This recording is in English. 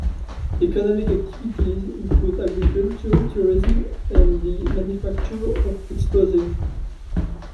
Economic activities include agriculture, tourism and the manufacture of explosives.